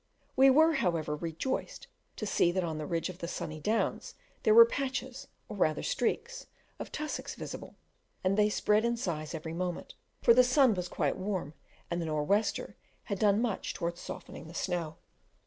We were, however, rejoiced to see that on the ridges of the sunny downs there were patches, or rather streaks, of tussocks visible, and they spread in size every moment, for the sun was quite warm, and the "nor' wester," had done much towards softening the snow.